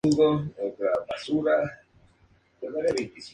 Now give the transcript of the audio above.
Fue dotado con decoración típica mexicana, incluyendo pinturas clásicas.